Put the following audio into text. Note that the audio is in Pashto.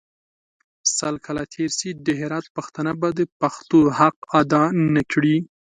سل کاله تېر سي د هرات پښتانه به د پښتو حق اداء نکړي.